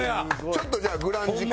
ちょっとじゃあグランジ感。